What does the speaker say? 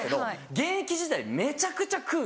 現役時代めちゃくちゃ食う。